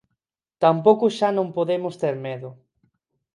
Tampouco xa non podemos ter medo.